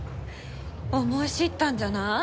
思い知ったんじゃない？